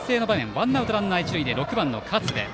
ワンアウトランナー、一塁で６番の勝部。